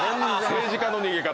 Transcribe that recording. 政治家の逃げ方。